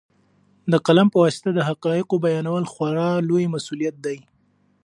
د قلم په واسطه د حقایقو بیانول خورا لوی مسوولیت دی.